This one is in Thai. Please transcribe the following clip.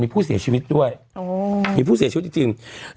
มีผู้เสียชีวิตด้วยมีผู้เสียชีวิตจริง